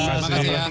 terima kasih ya